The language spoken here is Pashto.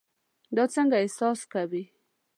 دا څنګه احساس کوي؟